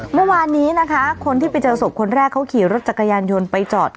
เมื่อวานนี้นะคะคนที่ไปเจอศพคนแรกเขาขี่รถจักรยานยนต์ไปจอด